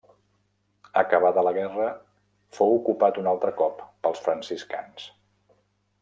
Acabada la guerra fou ocupat un altre cop pels franciscans.